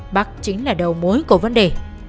bác chính là đầu mối của vấn đề